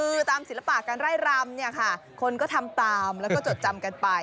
คือตามศิลปะการไล่รำเนี่ยค่ะคนก็ทำตามแล้วก็จดจำกันไป